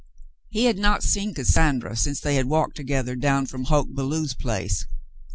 He had not seen Cassandra since they had walked together down from Hoke Belew's place.